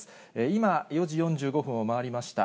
今、４時４５分を回りました。